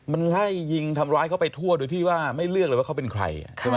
มันไล่ยิงทำร้ายเขาไปทั่วโดยที่ว่าไม่เลือกเลยว่าเขาเป็นใครใช่ไหม